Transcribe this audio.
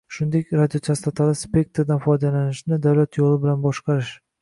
shuningdek, radiochastotali spektrdan foydalanishni davlat yo'li bilan boshqarish